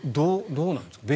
どうなんですか。